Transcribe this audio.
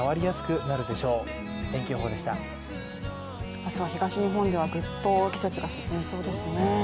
明日は東日本ではグッと季節が進みそうですね